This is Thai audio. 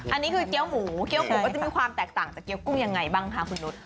อันนี้คือเกี้ยวหมูเกี้ยวหมูก็จะมีความแตกต่างจากเกี้ยกุ้งยังไงบ้างคะคุณนุษย